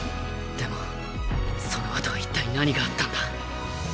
でもその後は一体何があったんだ？